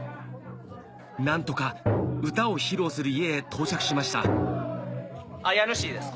何とか唄を披露する家へ到着しました家主です